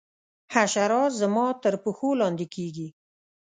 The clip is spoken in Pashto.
حشرات زما تر پښو لاندي کیږي.